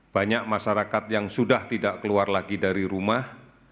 banyak masyarakat yang sudah tidak keluar lagi dari rumah